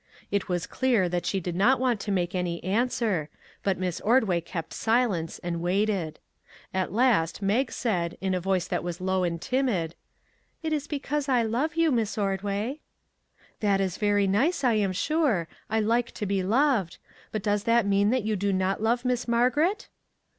It was clear that she did not want to make any answer, but Miss Ordway kept silence and waited. At last Mag said, in a voice that was low and timid :" It is because I love you, Miss Ordway." 256 A HARD LESSON " That is very nice, I am sure ; I like to be loved ; but does that mean that you do not love Miss Margaret